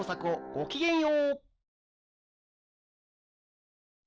ごきげんよう！